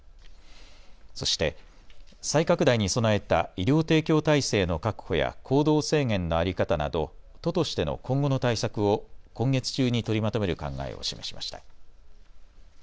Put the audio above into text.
そして再拡大に備えた医療提供体制の確保や行動制限の在り方など都としての今後の対策を今月中に取りまとめる考えを示しました。